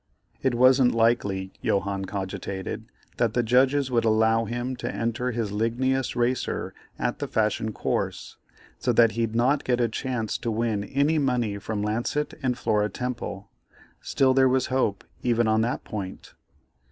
It wasn't likely, Johannes cogitated, that the judges would allow him to enter his ligneous racer at the Fashion Course, so that he'd not get a chance to win any money from Lancet and Flora Temple, still there was a hope, even on that point.